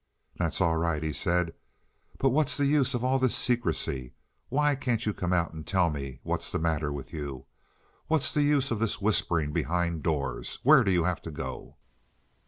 "That's all right," he said, "but what's the use of all this secrecy? Why can't you come out and tell what's the matter with you? What's the use of this whispering behind doors? Where do you have to go?"